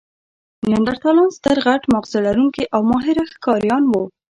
نیاندرتالان ستر، غټ ماغزه لرونکي او ماهره ښکاریان وو.